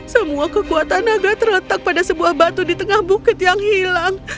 semua kekuatan naga terletak pada sebuah batu di tengah bukit yang hilang